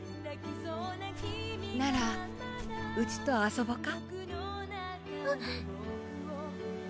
「ならうちと遊ぼか？」